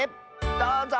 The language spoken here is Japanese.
どうぞ！